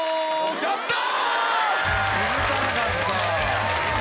やった！